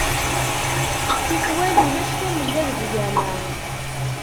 Tikwal ulac tamella deg ugama.